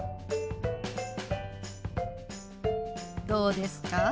どうですか？